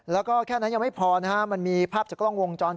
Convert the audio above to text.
แล้วก็แค่นั้นยังไม่พอนะฮะมันมีภาพจากกล้องวงจร